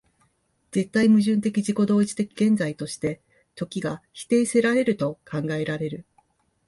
絶対矛盾的自己同一的現在として、時が否定せられると考えられる